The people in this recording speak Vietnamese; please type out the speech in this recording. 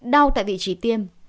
đau tại vị trí tiêm